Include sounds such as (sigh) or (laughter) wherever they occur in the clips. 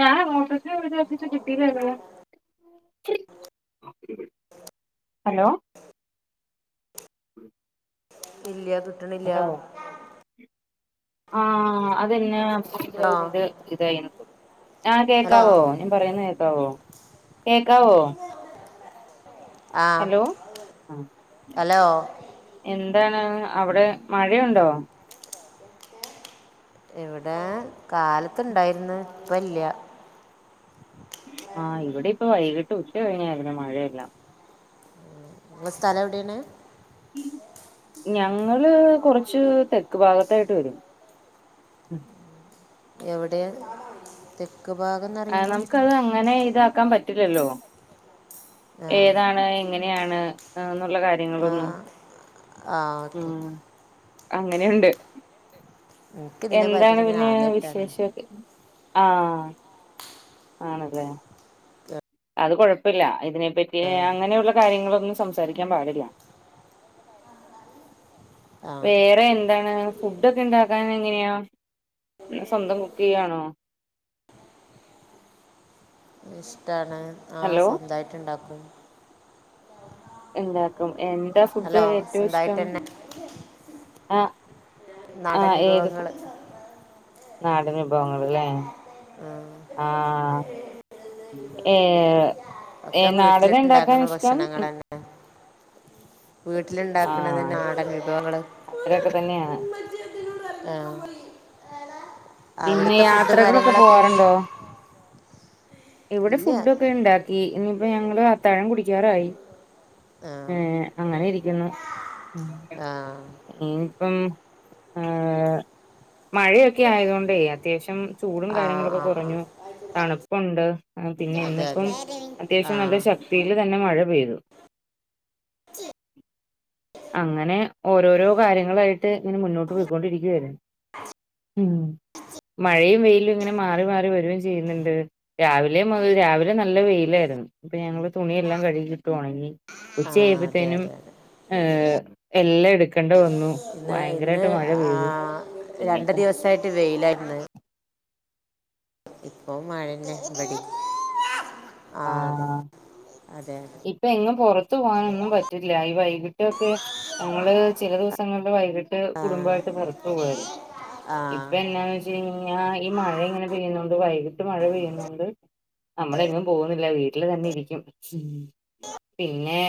ഞാൻ നോട്ട്ക്ക് വിചാരിച്ചിട്ട് കിട്ടിലല്ലോ hello (inaudible) (unintelligible) ഇല്ലൃ കിട്ട്ണില്ലൃ hello ആഹ് അതെന്നെ ഇത് ഹലോ ഇത് ഇതായിനിക്കും ആഹ് ഹലോ കേക്കാവോ ഞാൻ പറയുന്ന കേക്കാവോ കേക്കാവോ ആ ഹലോ ആഹ് ഹലോ എന്താണ് അവിടെ മഴയുണ്ടോ ഇവിടെ കാലത്ത്ണ്ടായിര്ന്ന് ഇപ്പല്ല ആഹ് ഇവിടെ ഇപ്പ വൈകിട്ട് ഉച്ചകഴിഞ്ഞായിരുന്നു മഴയെല്ലാം നിങ്ങളെ സ്ഥലം എവിടെണ് ഞങ്ങള് കുറച്ച് തെക്ക് ഭാഗത്തായിട്ട് വരും എവിടെയാ തെ ആഹ് നമുക്കത് അങ്ങനെ ഇതാക്കാൻ പറ്റ് പറ്റില്ലല്ലോ ആ ഏതാണ് എങ്ങനെയാണ് എന്നുള്ള കാര്യങ്ങളൊന്നും ആഹ് ഓക്കെ ഉം അങ്ങനെയുണ്ട് എനിക്ക് ഇതിനെ എന്താണ് പറ്റിയിട്ട് ഞാൻ പിന്നെ ആദ്യമായിട്ടാണ് വിശേഷൊക്കെ ആഹ് ആണ്ല്ലെ അത് കൊഴപ്പല്ല ഇതിനെപ്പറ്റി ആ അങ്ങനെയുള്ള കാര്യങ്ങളൊന്നും സംസാരിക്കാൻ പാടില്ല ആ വേറെ എന്താണ് ഫുഡെക്കെ ണ്ടാക്കാൻ എങ്ങനെയാ സ്വന്തം കുക്കെയ്യാണോ ഇഷ്ടാണ് ആഹ് ഹലോ സ്വന്തായിട്ട്ണ്ടാക്കും ണ്ടാക്കും എന്താ ഫുഡ് ഹലോ ഏറ്റവും സ്വന്തമായിട്ട് ഇഷ്ടം തന്നെ അഹ് നാടൻ ആഹ് ഏത് ഫു വിഭവങ്ങൾ നാടെൻ വിഭവങ്ങള്ല്ലേ ആഹ് ആഹ് ഏ ഏ ഒക്കെ വീട്ടിലുണ്ടാക്കുന്ന നാടനിണ്ടാക്കാനിഷ്ടം ഭക്ഷണങ്ങൾ വീട്ടില്ണ്ടാക്ക്ണത് ആഹ് നാടെൻ വിഭവങ്ങള് അത്രയൊക്കെ തന്നെയാണ് ആം പിന്നെ അവിട്ത്തെ ഫുഡ് യാത്രകളൊക്കെ കാര്യങ്ങളൊക്കെങ്ങനെ പോവാറുണ്ടോ ഇവിടെ ഇല്ല ഫുഡെക്കെ ണ്ടാക്കി ഞിപ്പോ ഞങ്ങള് അത്താഴം കുടിക്കാറായി ആ ഏ അങ്ങനെ ഇരിക്കുന്നു ആഹ് ഇനിപ്പം ആഹ് മഴയൊക്കെ ആയതുകൊണ്ടേ അത്യാവശ്യം ചൂടും ആ കാര്യങ്ങളൊക്കെ ആ ആ കുറഞ്ഞു തണുപ്പുണ്ട് ആഹ് പിന്നെ അതെ ഇന്നിപ്പം അതെ ആ അത്യാവശ്യം നല്ല ആ ശക്തിയില് തന്നെ മഴ പെയ്തു ച്ചെ അങ്ങനെ ഓരോരോ കാര്യങ്ങളായിട്ട് ഇങ്ങനെ മുന്നോട്ട് പോയിക്കൊണ്ടിരിക്കയായിരുന്നു ഉം മഴയും വെയിലും ഇങ്ങനെ മാറി മാറി വരുകയും ചെയ്യുന്നുണ്ട് രാവിലെ മുതൽ രാവിലെ നല്ല വെയിലായിരുന്നു ഇപ്പൊ ഞങ്ങുടെ തുണിയെല്ലാം കഴുകി ട്ടു ഒണങ്ങി അതെ ഉച്ചയ്പോത്തേനും അതെ അതെ ഹ എല്ലാം എടുക്കേണ്ട വന്നു ഇന്ന് ഇന്ന് ഭയങ്കരമായിട്ട് മഴ ആ പെയ്തു രണ്ട പിന്നെപ്പ ദിവസായിട്ട് വെയിലായിരിന്ന് ഇപ്പൊ മഴന്നെ ഇമ്പടിം ആ അതേ അതെതെ ഇപ്പ എങ്ങും പൊറത്ത് പോകാനൊന്നും പറ്റില്ല ഈ വൈകിട്ടൊക്കെ ഞങ്ങള് ചില ദിവസങ്ങളള് വൈകിട്ട് ആ കുടുംബ വായിട്ട് പൊറത്ത് പോവ്വാരുന്നു ആ ഇപ്പ എന്നാന്ന് വെച്ച് കഴിഞ്ഞാ ഈ മഴ ഇങ്ങനെ പെയ്യുന്നോണ്ട് വൈകിട്ട് മഴ പെയ്യുന്നോണ്ട് നമ്മൾ എങ്ങും പോവുന്നില്ല വീട്ട്ല് തന്നെ ഇരിക്കും ഉം പിന്നെ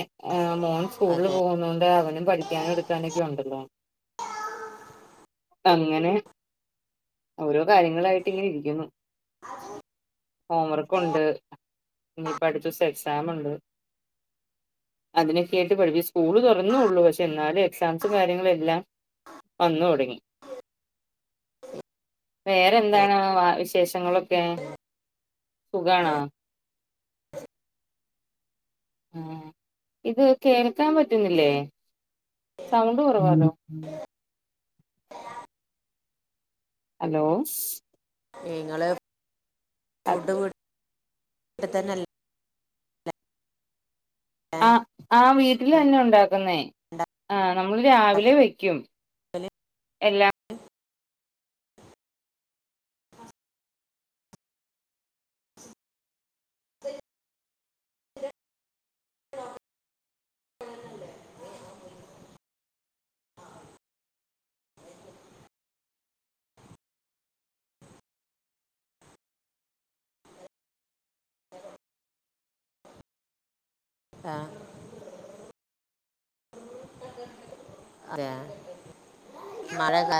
മോൻ സ്കൂൾ അതെ പോവുന്നോണ്ട് അവനും പഠി കാനും എടുക്കാനൊക്കെ ഉണ്ടല്ലോ അങ്ങനെ ഓരോ കാര്യങ്ങളായിട്ട് ഇങ്ങനെ ഇരിക്കുന്നു ഹോം വർക്കുണ്ട് ഇനിപ്പ അടുത്ത ദിവസം എക്സാം ഉണ്ട് അതിനൊക്കെ ആയിട്ട് (unintelligible) സ്കൂള് തൊറന്നൊള്ളൂ പക്ഷെ എന്നാലും എക്സാംസും കാര്യങ്ങളും എല്ലാം വന്ന് ഒടങ്ങി വേറെന്താണ് വാ വിശേഷങ്ങളൊക്കെ സുഖാണോ ആഹ ഇത് കേൾക്കാ പറ്റുന്നില്ലേ സൗണ്ട് കൊറവാലോ ഹലോ നിങ്ങള് ഫുഡ് വിട്ട് തന്നെല്ലേ ആഹ് ആഹ് വീട്ടിൽ തന്നെ ഉണ്ടാക്കുന്നേ ആഹ് നമ്മൾ രാവിലെ വെക്കും ഉണ്ടാക്കല് എല്ലാം (inaudible) (inaudible) ല്ലേ (inaudible) (inaudible) (inaudible) ആഹ് അതെ മഴ ക്കാ